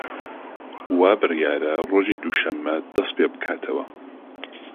وا بریارە ڕۆژی دووشەممە دەست پێ بکاتەوە